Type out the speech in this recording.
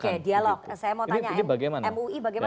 oke dialog saya mau tanya mui bagaimana